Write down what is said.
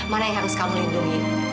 mana yang harus kamu lindungi